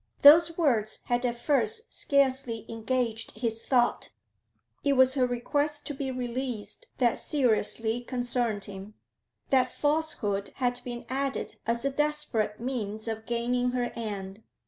Those words had at first scarcely engaged his thought; it was her request to be released that seriously concerned him; that falsehood had been added as a desperate means of gaining her end.